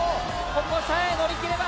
ここさえ乗り切れば。